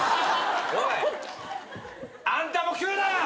おい！あんたも食うな！